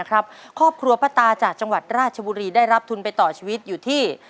ครอบครัวป้าตาจากจังหวัดราชบุรีได้รับทุนไปต่อชีวิตอยู่ที่